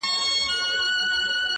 په خوب ويده، يو داسې بله هم سته,